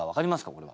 これは。